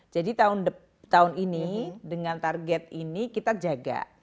jadi tahun ini dengan target ini kita jaga